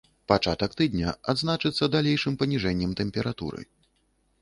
Пачатак тыдня адзначыцца далейшым паніжэннем тэмпературы.